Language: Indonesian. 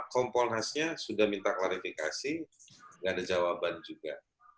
kompolnasnya sudah minta klarifikasi nggak ada jawaban juga